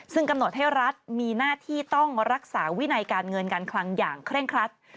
ซึ่งกำหนดให้รัฐมีหน้าที่ต้องรักษาวินัยการเงินการคลังอย่างเคร่งครัด